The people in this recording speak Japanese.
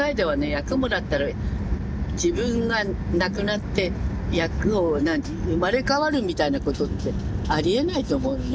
役もらったら自分がなくなって役を生まれ変わるみたいなことってありえないと思うのね。